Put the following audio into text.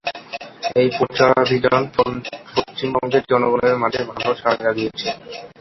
এই প্রচারাভিযান পশ্চিমবঙ্গের জনগণের মাঝে ভালো সাড়া জাগিয়েছে।